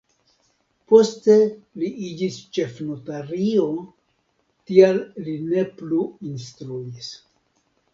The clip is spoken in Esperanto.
Poste li iĝis ĉefnotario, tial li ne plu instruis.